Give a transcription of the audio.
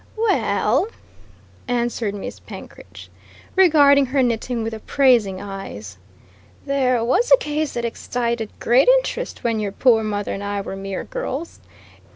"Well," answered Miss Penkridge, regarding her knitting with appraising eyes, "there was a case that excited great interest when your poor mother and I were mere girls.